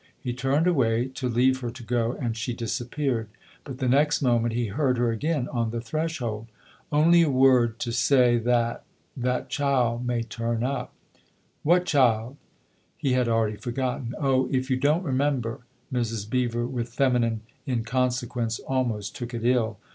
He turned away to leave her to go, and she disappeared ; but the next moment he heard her again on the threshold. " Only a word to say that that child may turn up." 88 THE OTHER HOUSE " What child ?" He had already forgotten. " Oh, if you don't remember !" Mrs. Beever, with feminine inconsequence, almost took it ill.